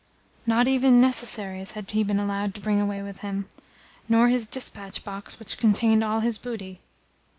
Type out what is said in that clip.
Not even necessaries had he been allowed to bring away with him, nor his dispatch box which contained all his booty.